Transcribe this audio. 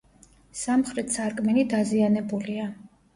სამხრეთ სარკმელი დაზიანებულია.